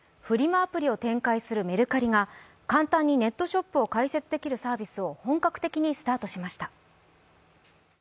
アプリを展開するメルカリが簡単にネットショップを開設できるサービスを本格的にスタートしました。